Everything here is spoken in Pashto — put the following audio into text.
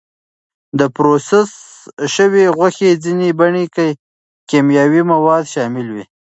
د پروسس شوې غوښې ځینې بڼې کې کیمیاوي مواد شامل وي.